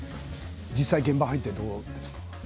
実際に現場に入ってどうですか？